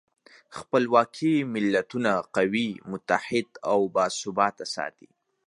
خپلواکي ملتونه قوي، متحد او باثباته ساتي.